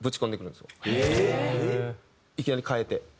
いきなり変えて。